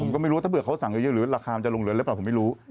ถ้าไม่รู้ถ้าเปลือกเขาสั่งเยอะราคาจะลงเลยหรือเปล่าผมไม่รู้